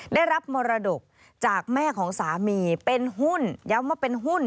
ได้รับมรดกจากแม่ของสามีเป็นหุ้นย้ำว่าเป็นหุ้น